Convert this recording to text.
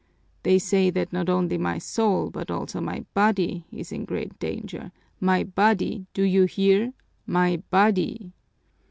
They say that not only my soul but also my body is in great danger my body, do you hear, my body!"